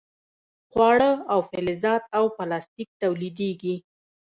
خواړه او فلزات او پلاستیک تولیدیږي.